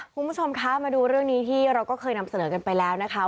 คุณผู้ชมคะมาดูเรื่องนี้ที่เราก็เคยนำเสนอกันไปแล้วนะคะ